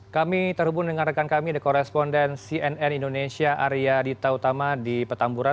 kami terhubung dengan rekan kami the corresponden cnn indonesia arya dita utama di petamburan